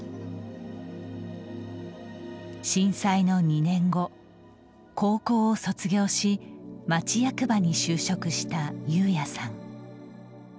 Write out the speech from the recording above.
震災の２年後、高校を卒業し町役場に就職した優也さん。